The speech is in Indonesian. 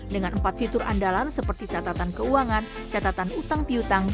dengan empat fitur andalan seperti catatan keuangan catatan utang piutang